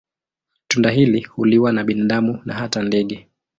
Tunda hili huliwa na binadamu na hata ndege.